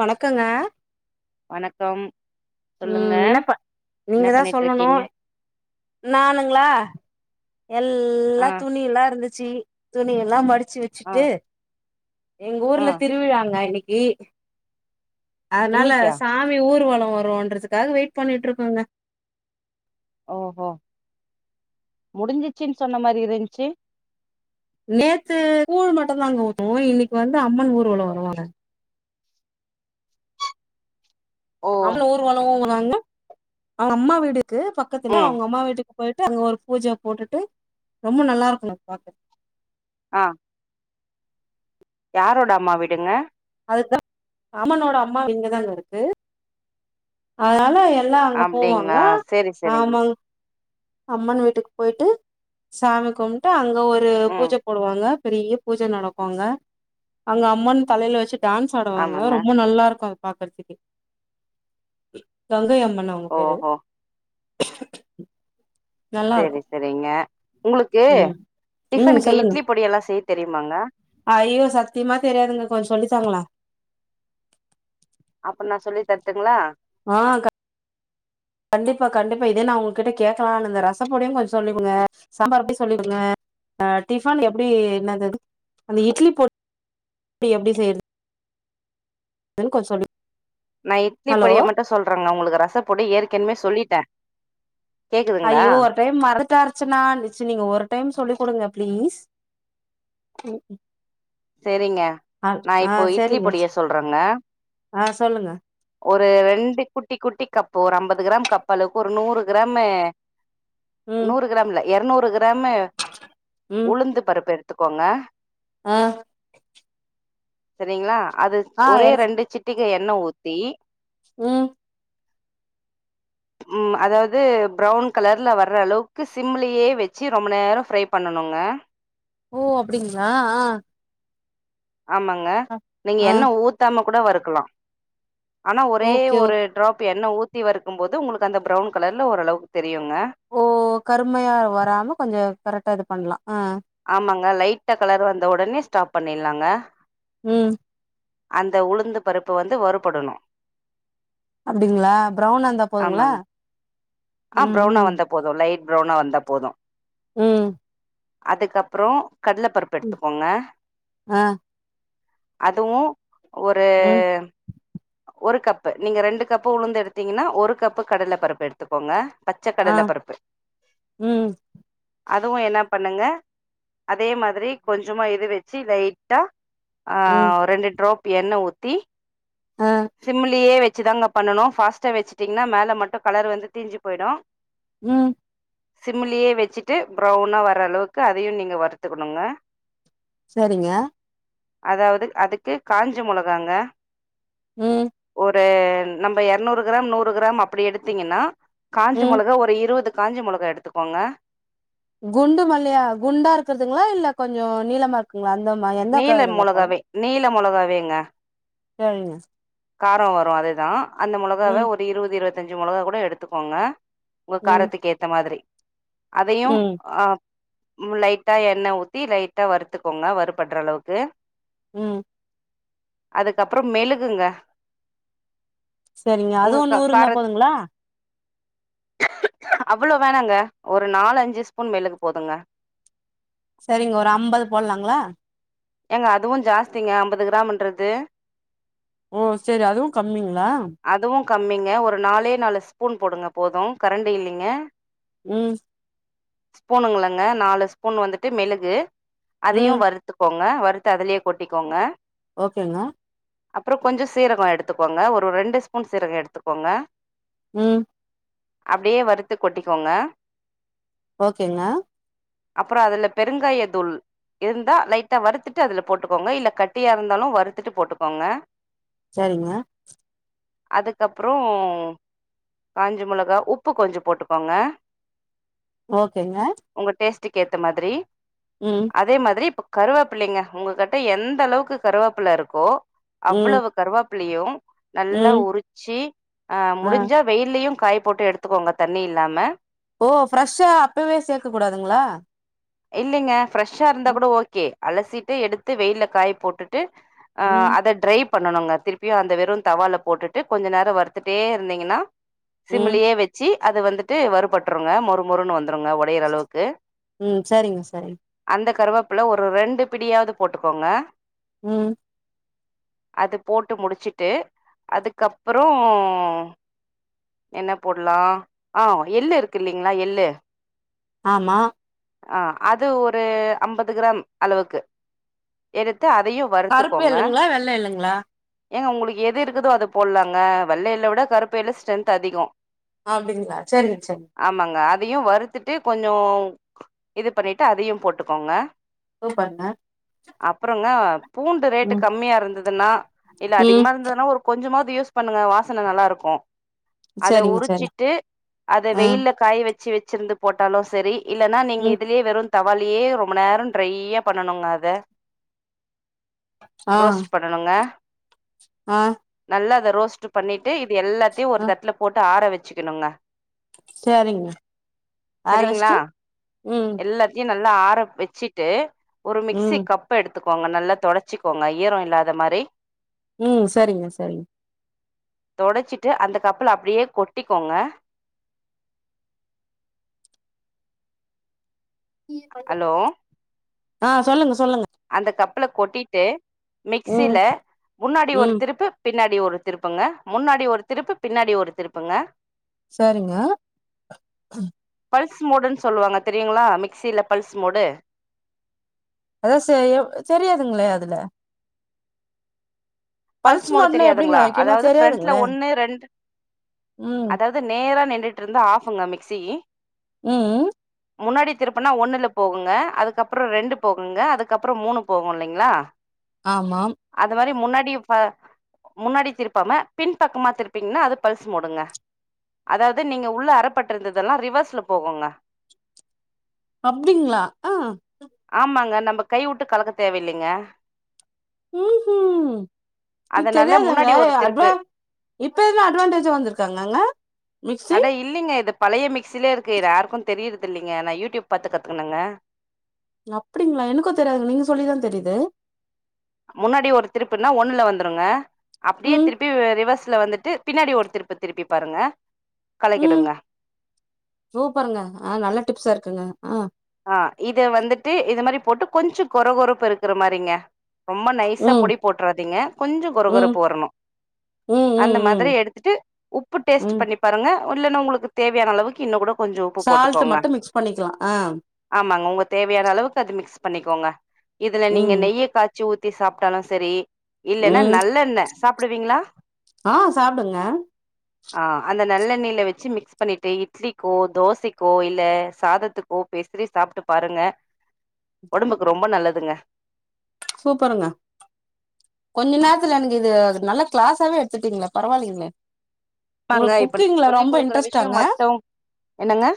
வணக்கங்க. வணக்கம். சொல்லுங்க ம் என்னப்ப என்ன நீங்கதா பண்ணிட்டு சொல்லணு இருக்கீங்க நானுங்களா? ஆ எல்லா துணி எல்லா இருந்து ச்சி துணி எல்லா மடி ச்சு ஆ வச்சுட்டு எங்க ஆ ஊர்ல திருவிழாங்க இன்னக் கி அதனால இன்னைக்கா சாமி ஊர்வலோ வருன் றதுக்காக வெயிட் பண்ணிட்ருக்கோங்க. ஓஹோ முடிஞ்சிச்சுன்னு சொன்ன மாரி இருந்துச்சு. நேத்து கூழ் மட்டுந்தாங்க ஊத்துவோ இன்னைக்கு வந்து அம்மன் ஊர்வலோ வருவாங்க. ஓ அம்மன் ஊர்வலோ வரு வாங்க அவுங்க அம்மா வீடு இருக்கு பக்கத்துல ம் அவுங்க அம்மா வீட்டுக் போயிட்டு அங்க ஒரு பூஜைய போட்டுட்டு ரொம்ப நல்லா இருக்குங்க பாக்க ஆ யாரோட அம்மா வீடுங்க? அதுக்குதா அம்மனோட அம்மா இங்கதாங்க இருக்கு. அதனால எ ல்லா அங்க போவாங்க அப்டிங்களா செரி செரிங்க ஆமாங் அம்மன் வீட்டுக்கு போயிட்டு சாமி கும்ட்டு அங் க ஒரு ம் பூஜ போடுவாங்க. பெரிய பூஜ நடக்கு அங்க. அங்க அம்மன் தலையில வச்சுட் டான்ஸ் ஆடுவாங்க ஆமாங்க ரொம்ப நல்லா இருக்கு அது பாக்கறதுக்கே கங்கை அம் மன் அவங்க பேரு. ஓஹோ நல்லா செரி இருக்கு செரிங்க உங்களுக்கு ம் ம் டிஃபனுக்கு சொல்லுங்க இட்லி பொடி எல்லா செய்ய தெரியுமாங்க ஐயோ சத்தியமா தெரியாதுங்க கொஞ்ச சொல்லித்தாங்களே. அப்பன்னா சொல்லி தருட்டுங்ளா? ஆ க கண்டிப்பா கண்டிப்பா இதே நா உங்க கிட்ட கேக்கலானு இருந்தே. ரசப்பொடியு கொஞ்ச சொல்லிக்குடுங்க. சாம்பார் பொடி சொல்லிக்குடுங்க. ஆ டிஃபன் எப்டி என்னது அது அந்த இட்லி பொடி எப்டி செய்யறது ன்னு கொஞ்ச சொல்லி நா இட்லி ஹலோ பொடிய மட்டு சொல்றேங்க உங்களுக்கு ரசப்பொடி ஏற்கனவே சொல்லிட்டே கேக்குதுங்களா ஐயோ ஒரு டைம் மறந்துட்டாச்சுனா னிச்சு நீங்க ஒரு டைம் சொல்லி் குடுங்க ப்ளீஸ் ம் ம் சேரிங்க நா இப்போ இட்லி சரிங்க பொடிய சொல்றேங்க. ஆ சொல்லுங்க ஒரு ரெண்டு குட்டி குட்டி கப் இப்ப ஒரு அம்பது கிராம் கப் அளவுக்கு ஒரு நூறு கிராமு ம் நூறு கிராம் இல்ல எரநூறு கி ராமு ம் உளுந்து பருப்பு எடு த்துக்கோங்க. ஆ சரிங்களா? அது ஆ ஒரே எடுத்து ரெண்டு சிட்டிக எ ண்ண ஊத்தி ம் ம் அதாவது ப்ரவுன் கலர்ல வர்ற அளவுக்கு சிம்லயே வச்சு ரொம்ப நேரோ ஃப்ரை பண்ணணுங்க. ஓ அப்டிங்களா ஆ ஆமாங்க நீங்க ஆ எண்ண ஊத்தாம கூட வறுக்கலா. ஆனா ஒரே ஓகே ஒரு ஓகே ட்ராப் எண்ண ஊத்தி வறுக்கும்போது உங்களுக்கு அந்த பிரவுன் கலர்ல ஓரளவுக்கு தெரி ஓ கருமையா வராம கொஞ்சோ கரெக்டா இது பண்லா. ஆ க லைட்டா கலர் வந்த உடனே ஸ்டாப் பண்ணிடலாங்க. ம் அந்த உளுந்து பருப்பு வந்து வறுபடணு. அப்டிங்களா பிரவுனா இருந்தா ஆமாங்க போதுங்களா? ஆ ம் ப்ரௌனா ம் வந்தா போது லைட் ப்ரௌனா வந்தா போது. ம் அதுக்கப்றோ கடலப்பருப்பு ம் எடுத்துக்கோங்க. ஆ அதுவு ஒரு ம் ஒரு கப்பு நீங்க ரெண்டு கப்பு உளுந்து எடுத்தீங்கன்னா ஒரு கப்பு கடல பருப்பு எடுத்துக்கோங்க. ஆ பச்சக்கடல பருப்பு ம் அதுவு என்னா பண்ணுங்க அதே மாதிரி கொஞ்சமா இது வச்சு லைட்டா ஆ ம் ரெண்டு ட்ராப் பு எண்ண ஊத்தி ஆ சிம்லயே வெச் சிதாங்க பண்ணணு ஃபாஸ்ட்டா வச்சுட்டிங்கன்னா மேல மட்டு கலர் வந்து தீஞ்சு போயிடு ம் சிம்லியே வச்சிட்டு ப்ரௌனா வர்ற அளவு க்கு அதையு நீங்க வறுத்துக்கணுங்க. சரிங்க. அதாவது அதுக்கு காஞ்ச மொளகாங்க ம் ஒரு ம் நம்ப எரநூறு கிராம் நூறு கிராம் அப்படி எடுத்தீங்கன்னா காஞ்ச ம் மொளகா ஒரு இருவது காஞ்ச மொளகா எடுத்துக்கோங்க. குண்டு மல்லியா குண்டா இருக்குறதுங்களா இல்ல கொஞ்சோ நீளமா இருக்குங்களா அ நீள மொளகாவே நீள மொளகாவேங்க. சேரிங்க. காரோ வரு அதுதா. அந்த மொளகாவ ம் ஒரு இருவது இருவத் த்தஞ்சு மொளகா கூட எடுத்துக்கோங்க உங்க ம் காரத்துக்கு ஏத்த மாதிரி. அதயும் ம் அ ம் லைட்டா எண்ண ஊத்தி லைட்டா வறுத்துக்கோங்க வறுபடுற அளவுக்கு. ம் அதுக்கப்புறோ மெளுகுங்க சரிங்க உங்க அதுவு கா நூறு இருந்தா கார போதுங்களா? அவ்ளோ வேணாங்க. ஒரு நாலு அஞ்சு ஸ்பூன் மெளகு போதுங்க. சரிங்க ஒரு அம்பது போடலாங்களா? ஏங்க அதுவு ஜாஸ்திங்க அம்பது கிராமுன்றது ஓ செரி அதுவு கம்மிங்களா? அதுவு கம்மிங்க ஒரு நாலே நாலு ஸ்பூன் போடுங்க போது கரண்டி இல்லிங்க. ம் ஸ்பூனுங்களாங்க நாலு ஸ்பூன் வந்துட்டு மெளகு அதயு ம் வறுத்து க்கோங்க வறுத்து அதுலயே கொட்டிக்கோங்க. ஓகேங்க. அப்றோ கொஞ்ச சீரகோ எடுத்துக்கோங்க ஒரு ரெண்டு ஸ்பூன் சீரகோ எடுத்துக்கோங்க. ம் அப்டியே வறுத்து கொட்டிக்கோங்க. ஓகேங்க. அப்றோ அதுல பெருங்காய தூள் இருந்தா லைட் டா வறுத்துட்டு அதுல போட்டுக்கோங்க. இல்ல கட்டியா இருந்தாலு வறுத்துட்டு போட்டுக்கோங்க. சரிங்க. அதுக்கப்புறோ காஞ்ச மொளகா உப்பு கொஞ்சோ போட்டுக்கோங்க ஓகேங்க. டுக்கு ஏத்த மாதிரி. ம் அதே மாதிரி இப் கருவேப்பிள்ளைங்க உங்ககிட்ட எந்த அளவுக்கு கருவேப்பிள்ளை இருக்கோ ம் அவ்வளவு கருவா லியோ நல்லா ம் உரிச்சு ஆஹ் ஆ முடிஞ்சா வெயிலயும் காய போட்டு எடுத்துக்கோங்க தண்ணி இல்லாமல் ஓ ஃப்ரெஷ்ஷா அப்பவே சேர்க்க கூடாதுங்களா இல்லங்க ப்ரெஷா இருந்தா ம் கூட ஓகே அலசிட்டு எடுத்து வெயில காய போட்டு ட்டு ம் அத ட்ரை பண்ணனுங்க திருப்பியும் அந்த வெறு தவால போட்டுட்டு கொஞ்ச நேரம் வறுத்துட்டே இருந்தீங்னா ம் சிம்லியே வச்சு அது வந்துட்டு வருறுபட்டுருங்க மொறு மொறுன்னு வந்துருங்க உடையிற அளவுக்கு ம் சரிங்க சரிங்க இந்த கருவேப்புல ஒரு ரெண்டு பிடியாவது போட்டுக்கோங்க உம் அது போட்டு முடுச்சுட்டு அதுகப்புறம் என்ன போடலா ஆஹ் எள்ளு இருக்குலைங்களா எள்ளு ஆமா ஆஹ் அது ஒரு அம்பது கிராம் அளவுக்கு எடு கருப்பு எல்லுங்களா வெள்ள எல்லுங்களா ஏங்க உங்களுக்கு எது இருக்குதோ அது போடலாங்க வெள்ளை எள்ள விட கருப்பு எள்ள ஸ்ட்ரென்த் அதிகம் அப்படிங்களா செரிங்க செரிங்க தையும் வருத்துட்டு கொஞ்சம் இது பண்ணிட்டு அதையும் போட்டுகோங்க சூப்பருங்க அப்பறங்க பூண்டு ரேட்டு ம் கம்மியா இருந்ததுன்னா இல்ல ம் அதிகமா இருந்ததுன்னா ஒரு கொஞ்சமது யூஸ் பண்ணுங்க வாசனை நல்லா இருக்கும் அத சரிங்க சரி உரிச்சிட்டு அத ஆ வெயில காய வச்சு வச் வச்சிருந்து போட்டாலும் செரி இல்லனா நீங்க ம் இதுலே வெறு தவாலியே ரொம்ப நேர ட்ரையா பண்ணணுங்க அத ஆ ரோஸ்டு பண்ணணுங்க ஆ நல்ல அத ரோஸ்ட் பண்ணிட்டு இது எல்லாதையு ஒரு தட்ல போட்டு ஆர வச்சு வச்சுகணுங்க செரிங்க ஆர வெச்சுட்டு எல்லாத்தியு நல்லா ஆற வெச்சிட்டு ஒரு மிக்சி ம் கப் எடுத் கத்துக்கோங்க நல்லா தொடச்சிக்கோங்க ஈரோ இல்லாத மாரி ம் சரிங்க சரிங்க தொடச்சிட்டு அந்த கப்புல அப்படியே கொட்டிக்கோங்க அலோ ஆ சொல்லுங்க சொல்லுங் அந்த கப்புல கொட்டிட்டு மிக்சில ம் முன்னாடி ஒரு ம் திருப்பு பின் பின்னாடி ஒரு திருப்புங்க முன்னாடி ஒரு திருப்பு பின்னாடி ஒரு திருப்புங்க சரிங்க பல்ஸ் மோடுன் சொல்வாங்க தெரியுங்ளா மிக்சில பல்ஸ் மோடு அதா செய்யோ தெரியாதுங்களே அதுல பல்ஸ் மோடு மோட்னா எப்டிங்க தெரியாதுங்களா வைக்கணு அதாவது ஃப்ரெண்ட்ல தெரியாதுங்களே ஒன்னு ரெண்டு ம் அதாவது நேரா நின் நின்னுட்டு இருந்தா ஆஃப்புங்க மிக்சி ம்க்ம் முன்னாடி திருப்பனா ஒண்ணுல போகுங்க அதுக்கப்பறோ ரெண்டு போகுங்க அதுக்கப்பறோ மூணு போகு இல்லைங்களா ஆமாம் அத மாரி முன்னாடி ப முன்னாடி திருப்பாம பின்பக்கமா திருப்பீங்ன்னா அது பல்ஸ் மோடுங்க அதாவது நீங்க உள்ள அறப்பட்டுருந்ததெல்லா ரிவர்ஸ்ல போகுங்க அப்டிங்களா ஆ நம்ப கை உட்டு கலக்க தேவ இல்லைங்க ம்க்ம் எனக் அதனால தெரியாதுங்க முன்னாடி ஒரு அட்வா திருப்பு. இப்பதா அட்வான்டேஜா வந்துருகாங்கங்க மிக்சி அட இல்லைங்க. இது பழைய மிக்சிலியே இருக்கு இது யாருக்கு தெரியுறது இல்லிங்க நா யூடியூப் பாத்து கத்துக்குனங்க அப்டிங்களா எனக்கு தெரியாது நீங்க சொல்லிதா தெரிது முன்னாடி ஒரு திருப்புனா ஒண்ணுல வந்துருங்க அப்டியே ம் திருப்பி ரிவஷ் ஷ்ல வந்துட்டு பின்னாடி ஒரு திருப்பு திருப்பி பாருங்க கலக்கிடுங்க. ம் சூப்ருங்க ஆ நல்ல டிப்ஸா இருக்குங்க ஆ ஆ இது வந்துட்டு இத மாரி போட்டு கொஞ்ச கொற கொறப்பா இருக்குற மாரிங்க ரொம்ப நைஸா ம் பொடி போட்றாதீங்க கொஞ்சோ கொற ம் கொறப்பு வரணு ம் அந்த ம் ம் மாதிரி எடுத்துட்டு உப்பு டேஸ்ட் ம் பண்ணி பாருங்க இல்லன்னா உங்ளுக்கு தேவ்யான அளவுக்கு இன்னுங் கூட கொஞ்சோ உப்பு சால்ட் போட்டுக்கோங்க மட்டு மிக்ஸ் பண்ணிக்லா அ ஆமாங்க உங்க தேவ்யான அளவுக்கு அது மிக்ஸ் பண்ணிகோங்க இதுல நீங்க ம் நெய்ய காச்சி ஊத் த்தி சாப்ட்டாலு செரி இல்லைன்னா ம் நல்லெண்ண சாப்புடுவீங்களா ஆ சாப்டுங்க ஆ அந்த நல்லெண்ணயில வெச்சு மிக்ஸ் பண்ணிட்டு இட்லிக்கோ தோசைக்கோ இல்ல சாதத்துக் கோ பெசிரி சாப்புட்டு பாருங்க ஒடம்புக்கு ரொம்ப நல்லதுங்க சூப்பருங்க கொஞ்ச நேரத்துல எனக்கு இது நல்ல கிளாஸாவே எடுத்துட்டீங்களே பரவால்லைங்களே ஆமாங்க உங்களுக்கு இப்ப குக்கிங்ல சொல்லி ரொம்ப குடுக்குற விஷயோ இன்ட்ரெஸ்ட்டாங்க மத்தவங்க என்னங்க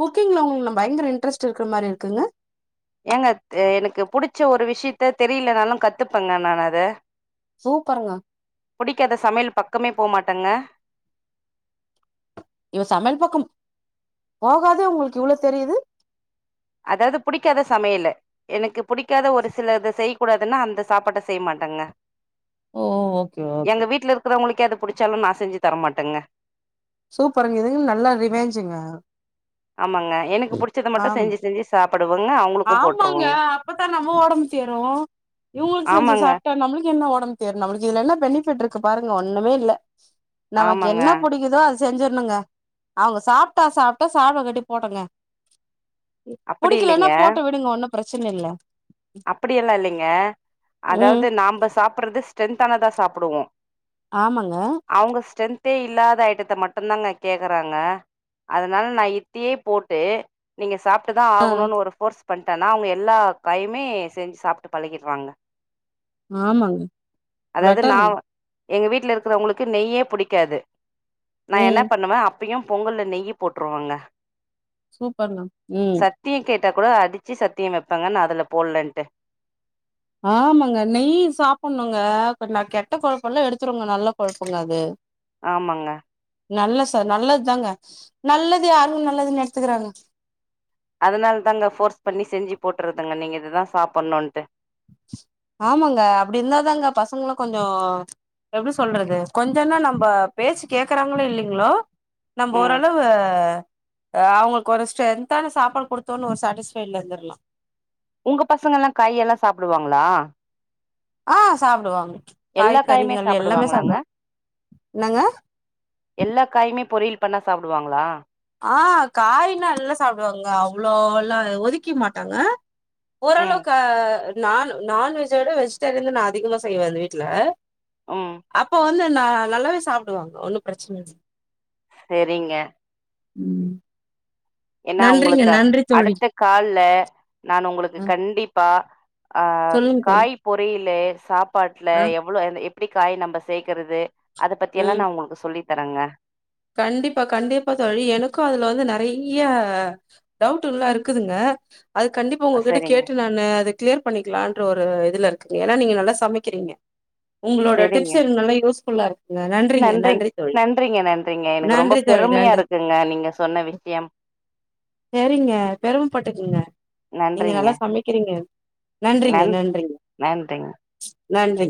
குக்கிங்ல உங் நம் பயங்கர இன்ட்ரெஸ்ட் இருக்குற மாரி இருக் க்குங்க ஏங்க எனக்கு புடிச்ச ஒரு விஷ்யித்த தெரிலனாலு கத்துப்பங்க நானு அத சூப்பருங்க புடிக்காத சமையல் பக்கமே போமாட்டங்க இவ சமையல் பக்கம் போகாதே உங்களுக்கு இவ்வளோ தெரியுது அதாவது புடிக்காத சமையல எனக்கு புடிக்காத ஒரு சிலது செய் கூடாதுன்னா அந்த சாப்பாட்ட செய்ய மாட்டாங்க ஓ ஓகே ஓகே கே எத புடிச்சாலு நா செஞ்சு தரமாட்டங்க சூப்பர்ங்க இதுங்க நல்லா ரிவேஞ்சுங்க ஆமாங்க எனக்கு புடிச்சத மட்டு ஆமா செஞ்சு செஞ்சு சாப் ஆமாங்க அப்பதா நம்ம ஒடம்பு தேரு இவங்களுக்கு செஞ்சு ஆமாங்க, சாப்ட்டா நம்மளுக்கு என்ன ஒடம்பு தேரு நம்மளுக்கு இதுல என்ன பெனிபிட் இருக் கு பாருங்க ஒண்ணுமே இல்ல நமக்கு ஆமாங்க. என்ன புடிக்குதோ அது செஞ்சுரனுங்க அவங்க சாப்ட்டா சாப்ட்டு சாப்டாகாட்டி போட்டுங்க அப்படி புடிக்கலன்னா இல்லிங்க போட்டு விடுங்க ஒண்ணும் பிரச்சன இல்ல அப்படியெல்லா இல்லைங்க ம் அதாவது நாம்ப சாப்படுறது தென்தலதா சாப்புடுவோம் ஆமாங்க த்தே இல்லாத ஐட்டத்த மட்டுந்தாங்க கேக்கறாங்க அதனால நா இத்தியே போட்டு நீங்க சாப் ட்டுதா ஆகணுன்னு ஒரு போர்ஸ் பண்ணிட்டனா அவங்க எல்லா காயும் மே செஞ் சாப்ட்டு பழகிடுவாங்க ஆமாங்க அதாவது வெட்டருங் நான் எங்க வீட்டுல இருக்கிறவங்களுக்கு நெய்யே புடிக்காது நா என்ன ம் பண்ணுவே யும் பொங்கல்ல நெயி போட்டுருவங்க சூப் பண்லாம் ம் சத்தியம் கேட்டா கூட அடிச்சு சத்திய வைப்பங்கன அதுல போல்லண்டு ஆமாங்க நெய் சாப்ணுங்க ந பட் கெட்ட கொழுப்பெல்லா எடுத்துடுங்க நல்ல கொழுப்புங்க அது ஆமாங்க நல்ல சார் நல்லது தாங்க நல்லது யாருக்கு நல்லதுன்னு எடுத்துக்கறாங்க அதனால தாங்க போர்ஸ் பண்ணி செஞ்சு போட்டுறதுங்க நீங்க இதுதா சாப்ணுன்ட்டு ஆமாங்க அப்டி இருந்தாதாங்க பசங்களு கொஞ்ச எப்டி சொல்றது கொஞ்சனா நம்ம பேச்ச கேக்கரங்களோ இல்லின்லோ நம்ப ம் ஓரளவு எ அவுங்களுக்கு ஒரு ஸ்டெத்தான சாப்பாடு குடுதோனு ஒரு சடிஸ்ஃபைட்ல இருந்தர்லா உங்க பசங்க எல்லா காயெல்லா சாப்டுவாங்களா ஆ சாப்டுவங் எல்லா காயுமே சாப்டுவாங்களாங்க என்னங்க எல்லா காயுமே பொரியல் பண்ணா சாப்டுவாங்களா ஆ காயினா எல்லா சாப்டுவாங்க அவ்ளவ் எல்லா ஒதுக்கி மாட்டாங்க ம் ஓரளவுக்கு நா நான்வெஜோட வெஜிடேரியன்தா நா அதிகமா செய்வே அந்த வீட்டுல ம் அப்ப வந்து நா நல்லாவே சாப்டுவாங்க ஒன்னு பிரச்சன இல்ல செரிங்க ம் ஏன்னா நன்றிங்க உங்களுக்கு நன்றி தோழி அடுத்த கால்ல நானு உங்களுக்கு ஆ கண்டிப்பா அ சொல்லுங்க தோழி காய் பொரியில சாப் பாட்டுல ஆ எவ்ளோ அது எப் எப்டி காய்ய நம்ப சேக்கறது அத பத்தி எல்லா ம் நா உங்களுக்கு சொல்லி தரங்க கண்டிப்பா கண்டிப்பா தோழி எனக்கும் அதுல வந்து நிறையிய டவுட்டுகல்லாம் இருக்குதுங்க அது கண்டிப்பா உங்க கிட்ட சரிங்க, கேட்டு நான்னு அதை கிளியர் பண்ணிக்கலான்ற ஒரு இதுல இருக்கு ஏன்னா நீங்க நல்லா சமக்கிறீங்க உங்களோட சரிங்க. டிப்ஸ் எனக் நல்லா யூஸ்ஃபுல்லா இருக்ங்க நன்றிங்க நன்றிங் நன்றி தோழி நன்றிங்க, நன்றிங்க. எனக்கு ரொம்ப நன்றி தோழி பெருமையா இருக்குங்க நன்றி நீங்க சொன்ன விஷயம். நன்றிங்க. நன் நன்றிங்க. நன்றி